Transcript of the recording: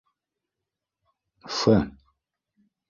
Ф.